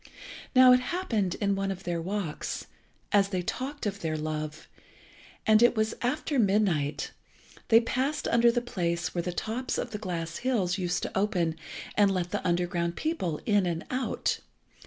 Now it happened in one of their walks, as they talked of their love, and it was after midnight, they passed under the place where the tops of the glass hills used to open and let the underground people in and out.